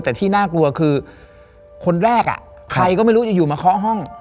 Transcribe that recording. แต่ที่น่ากลัวคือคนแรกใครก็ไม่รู้อยู่มาเคาะห้อง